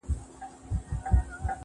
سپينه خولگۍ راپسي مه ږغوه.